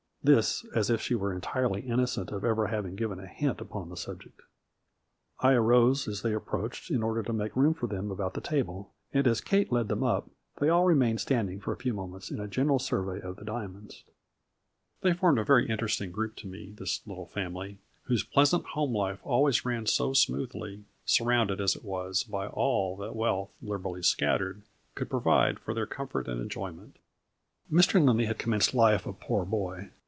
This as if she were entirely innocent of ever having given a hint upon the subject. I arose as they approached, in order to make room for them about the table, and as Kate led them up, they all remained standing for a few moments in a general survey of the diamonds. They formed a very interesting group to me, this little family, whose pleasant home life always ran so smoothly, surrounded, as it was, by all that wealth, liberally scattered, could provide for their comfort and enjoyment. Mr. Lindley had commenced life a poor boy.